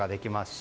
し